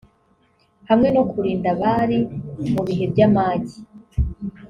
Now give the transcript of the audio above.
hamwe no kurinda abari mu bihe by’amage